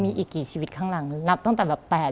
มีอีกกี่ชีวิตข้างหลังนับตั้งแต่แบบ๘๐